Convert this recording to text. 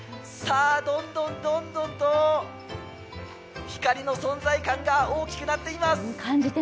どんどんどんどんと光の存在感が大きくなっています。